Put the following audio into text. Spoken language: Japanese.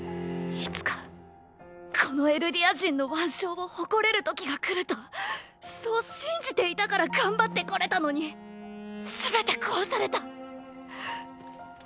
いつかこのエルディア人の腕章を誇れる時が来るとそう信じていたから頑張ってこれたのにすべて壊された。